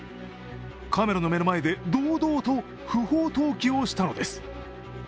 カメラの目の前で堂々と不法投棄をしたのです。